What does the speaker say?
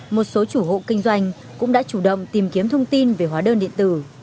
một số chủ hộ kinh doanh cũng đã chủ động tìm kiếm thông tin về hóa đơn điện tử